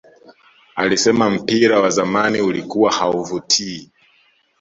Alisema mpira wa zamani ulikuwa hauvutii